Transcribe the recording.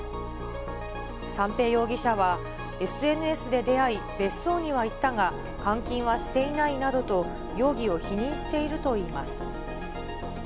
三瓶容疑者はＳＮＳで出会い、別荘には行ったが、監禁はしていないなどと容疑を否認しているといいます。